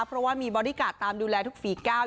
เพราะว่ามีบอดี้การ์ดตามดูแลทุกฝีก้าว